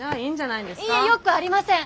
いいえよくありません！